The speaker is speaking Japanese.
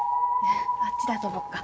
あっちで遊ぼっか。